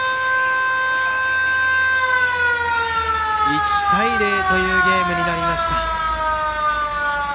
１対０というゲームになりました。